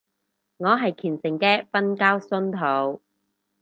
我係虔誠嘅瞓覺信徒